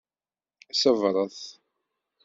Ṣebṛet!